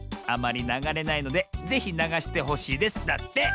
あまりながれないのでぜひながしてほしいです」だって！